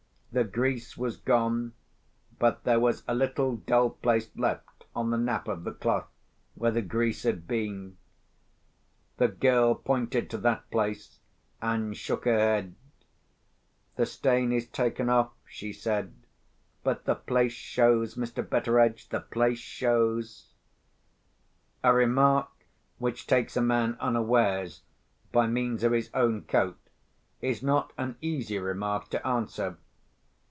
The grease was gone, but there was a little dull place left on the nap of the cloth where the grease had been. The girl pointed to that place, and shook her head. "The stain is taken off," she said. "But the place shows, Mr. Betteredge—the place shows!" A remark which takes a man unawares by means of his own coat is not an easy remark to answer.